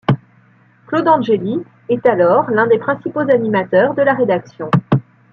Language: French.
Claude Angeli est alors l'un des principaux animateurs de la rédaction.